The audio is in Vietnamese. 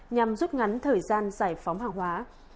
nhằm rút ngắn thời gian giải phóng hàng hóa